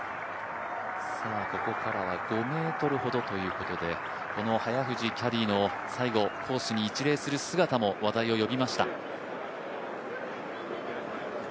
ここからは５ｍほどということで、早藤キャディーの最後、コースに一礼する姿も話題を呼びました。